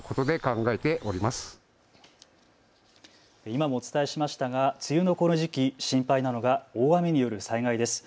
今もお伝えしましたが梅雨のこの時期、心配なのが大雨による災害です。